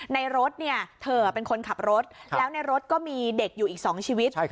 ในรถเธอเป็นคนขับรถแล้วในรถก็มีเด็กอยู่อีก๒ชีวิต